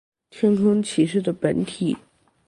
天空骑士的本体。